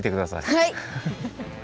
はい！